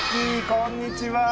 こんにちは。